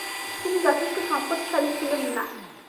তিনি যথেষ্ট সম্পদশালী ছিলেন না।